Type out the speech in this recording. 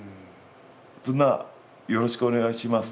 そんな「よろしくお願いします」って。